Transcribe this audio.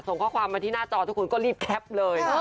ส่งข้อความมาที่หน้าจอทุกคนก็รีบแคปเลย